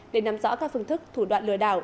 để nắm rõ các phương thức thủ đoạn lừa đảo